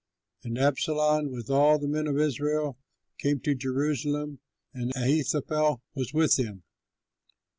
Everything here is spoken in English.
And Absalom, with all the men of Israel, came to Jerusalem, and Ahithophel was with him.